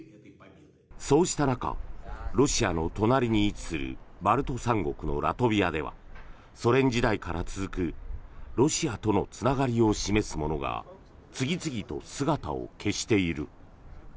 そうした中ロシアの隣に位置するバルト三国のラトビアではソ連時代から続くロシアとのつながりを示すものが次々と姿を消している。